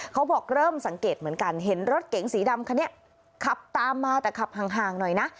เขาบอกเริ่มสังเกตเหมือนกันเห็นรถเก๋งสีดำคันนี้ขับตามมาแต่ขับห่างหน่อยนะ